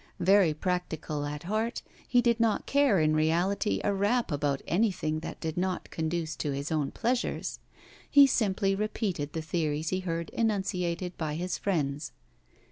Very practical at heart, he did not care in reality a rap about anything that did not conduce to his own pleasures; he simply repeated the theories he heard enunciated by his friends.